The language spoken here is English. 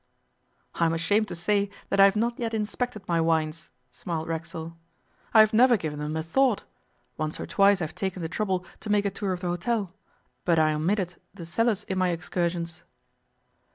'I am ashamed to say that I have not yet inspected my wines,' smiled Racksole; 'I have never given them a thought. Once or twice I have taken the trouble to make a tour of the hotel, but I omitted the cellars in my excursions.